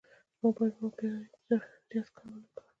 موبایل مو باید زیات کار نه کړو.